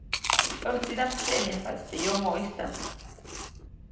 ʼÄjtsidaʼm tseʼmyajpaʼtsi teʼ yomoʼistaʼm.